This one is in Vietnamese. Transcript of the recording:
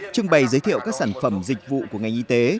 trưng bày giới thiệu các sản phẩm dịch vụ của ngành y tế